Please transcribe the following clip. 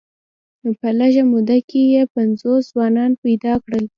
په لږه موده کې یې پنځوس ځوانان پیدا کړل.